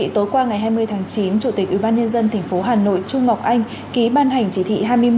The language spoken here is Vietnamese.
tối qua ngày hai mươi tháng chín chủ tịch ubnd tp hà nội trung ngọc anh ký ban hành chỉ thị hai mươi một